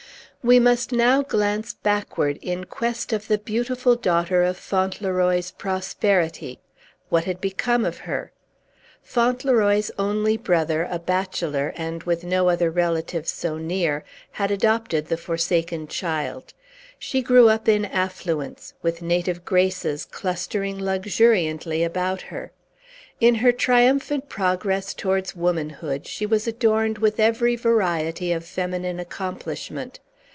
We must now glance backward, in quest of the beautiful daughter of Fauntleroy's prosperity. What had become of her? Fauntleroy's only brother, a bachelor, and with no other relative so near, had adopted the forsaken child. She grew up in affluence, with native graces clustering luxuriantly about her. In her triumphant progress towards womanhood, she was adorned with every variety of feminine accomplishment.